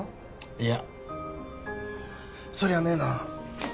いやそりゃねえな。